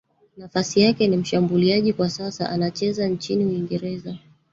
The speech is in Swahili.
Nafasi yake ni mshambuliaji kwa sasa anacheza nchini Uingereza